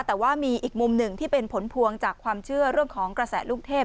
แต่ว่ามีอีกมุมหนึ่งที่เป็นผลพวงจากความเชื่อเรื่องของกระแสลูกเทพ